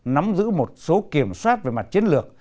nắm giữ một số kiểm soát về mặt chiến lược